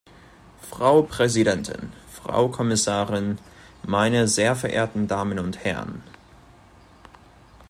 Frau Präsidentin, Frau Kommissarin, meine sehr verehrten Damen und Herren!